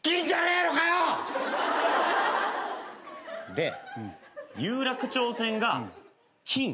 で有楽町線が金。